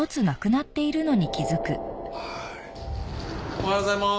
おはようございます。